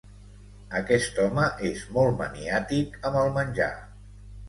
Aquest home és molt maniàtic amb el menjar.